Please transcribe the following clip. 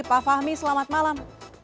pak fahmi selamat malam